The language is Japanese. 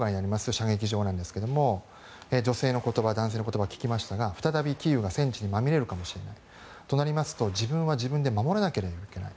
射撃場なんですが女性の言葉男性の言葉を聞きましたら再びキーウが戦地にまみれるかもしれないとなりますと自分は自分で守れなければいけない